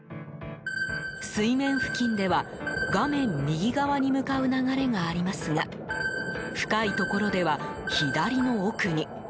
水面付近では、画面右側に向かう流れがありますが深いところでは、左の奥に。